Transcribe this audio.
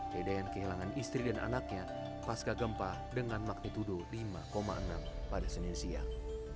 dedean kehilangan istri dan anaknya pasca gempa dengan magnitudo lima enam pada senin siang